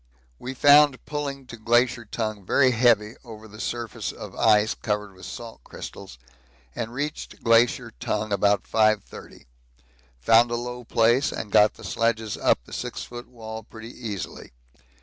We found pulling to Glacier Tongue very heavy over the surface of ice covered with salt crystals, and reached Glacier Tongue about 5.30; found a low place and got the sledges up the 6 ft. wall pretty easily.